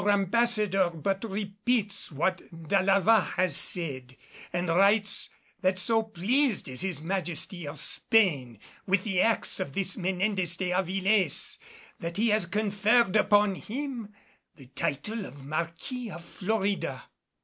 Our Ambassador but repeats what D'Alava has said and writes that so pleased is His Majesty of Spain with the acts of this Menendez de Avilés, that he has conferred upon him the title of Marquis of Florida."